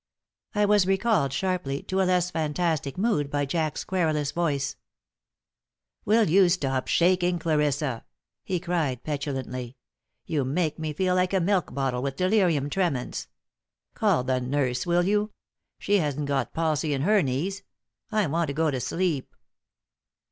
I was recalled sharply to a less fantastic mood by Jack's querulous voice: "Will you stop shaking, Clarissa?" he cried, petulantly. "You make me feel like a milk bottle with delirium tremens. Call the nurse, will you? She hasn't got palsy in her knees. I want to go to sleep."